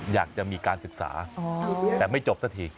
อยากจะมีการศึกษาแต่ไม่จบสักที